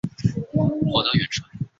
业余职业